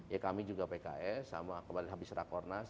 ya kami juga pks sama kemarin habis rakornas